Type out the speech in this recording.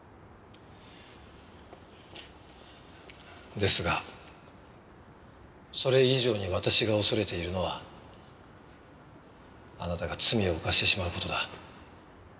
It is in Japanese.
ですがそれ以上に私が恐れているのはあなたが罪を犯してしまう事だ。